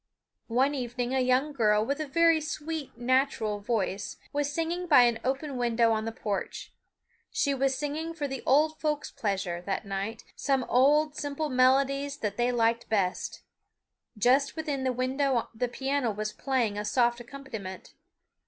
One evening a young girl with a very sweet natural voice was singing by an open window on the porch. She was singing for the old folks' pleasure, that night, some old simple melodies that they liked best. Just within the window the piano was playing a soft accompaniment.